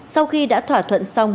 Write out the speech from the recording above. sau khi đã thỏa thuận xong